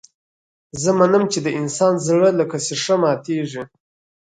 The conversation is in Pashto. زه منم چې د انسان زړه لکه ښيښه ماتېږي.